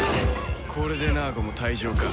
これでナーゴも退場か。